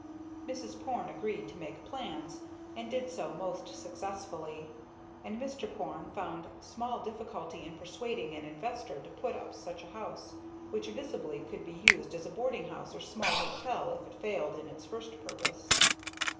Mrs. Porne agreed to make plans, and did so most successfully, and Mr. Porne found small difficulty in persuading an investor to put up such a house, which visibly could be used as a boarding house or small hotel, if it failed in its first purpose.